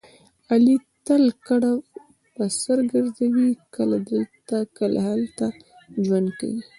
علي تل کډه په سر ګرځوي کله دلته کله هلته ژوند کوي.